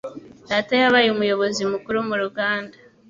Data yabaye umuyobozi mukuru mu ruganda.